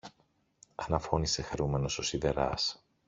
αναφώνησε χαρούμενος ο σιδεράς.